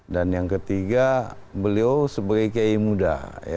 dan yang ketiga beliau sebagai ki muda